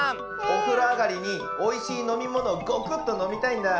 おふろあがりにおいしいのみものをゴクッとのみたいんだ。